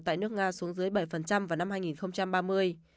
tại nước nga xuống dưới bảy vào năm hai nghìn ba mươi